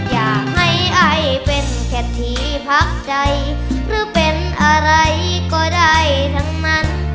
อยากให้ไอเป็นแค่ที่พักใดหรือเป็นอะไรก็ได้ทั้งนั้น